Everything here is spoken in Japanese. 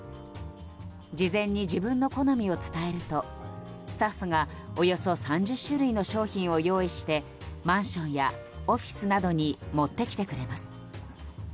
事前に自分の好みを伝えるとスタッフがおよそ３０種類の商品を用意してマンションやオフィスなどに持ってきてくれます。